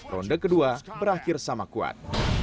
ronde kedua berakhir sama kuat